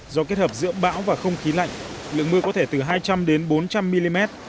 do kết hợp giữa bão và không khí lạnh lượng mưa có thể từ hai trăm linh đến bốn trăm linh mm